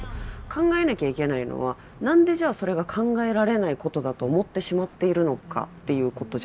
考えなきゃいけないのは何でじゃあそれが考えられないことだと思ってしまっているのかっていうことじゃないですか。